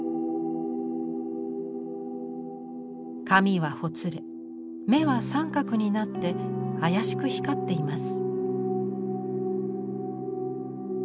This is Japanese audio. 髪はほつれ眼は三角になって妖しく光っています。